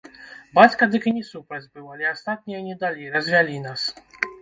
Бацька дык і не супраць быў, але астатнія не далі, развялі нас.